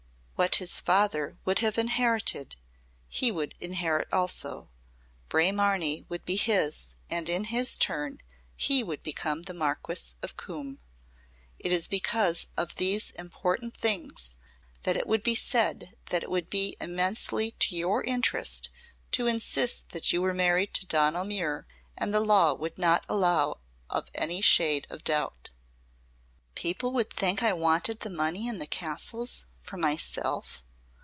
"What his father would have inherited he would inherit also. Braemarnie would be his and in his turn he would be the Marquis of Coombe. It is because of these important things that it would be said that it would be immensely to your interest to insist that you were married to Donal Muir and the law would not allow of any shade of doubt." "People would think I wanted the money and the castles for myself?"